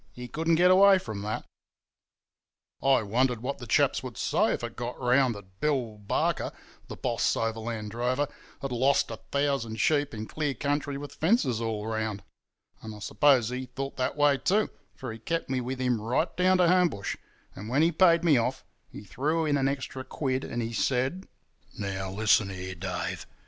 He couldn't get away from that. "I wondered what the chaps would say if it got round that Bill Barker, the boss overland drover, had lost a thousand sheep in clear country with fences all round; and I suppose he thought that way too, for he kept me with him right down to Homebush, and when he paid me off he threw in an extra quid, and he said: "'Now, listen here, Dave!